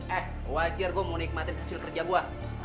eh wajar gua mau nikmatin hasil kerja gua